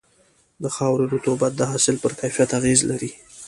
د خاورې رطوبت د حاصل پر کیفیت اغېز لري.